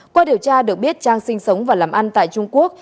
qua điều tra được biết trang sinh sống và làm ăn tại trung quốc